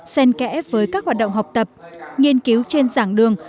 sen kẽ với các hoạt động học tập nghiên cứu trên dạng đường